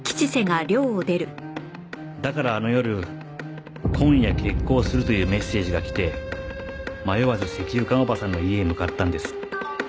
だからあの夜「今夜決行する」というメッセージが来て迷わず石油缶オバさんの家へ向かったんです。